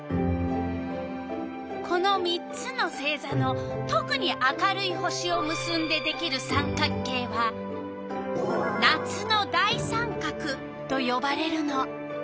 この３つの星座のとくに明るい星をむすんでできる三角形は「夏の大三角」とよばれるの。